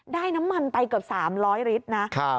ได้น้ำมันไปเกือบ๓๐๐ลิตร